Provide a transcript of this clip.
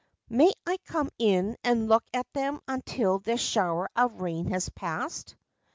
' May I come in and look at them until this shower of rain has passed